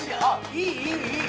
いいいいいい！